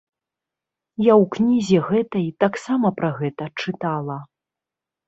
Я ў кнізе гэтай таксама пра гэта чытала.